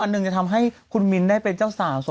หนึ่งจะทำให้คุณมิ้นได้เป็นเจ้าสาว